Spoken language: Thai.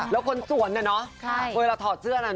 แล้วคนสวนเนี่ยเนาะเวลาถอดเสื้อน่ะเนาะ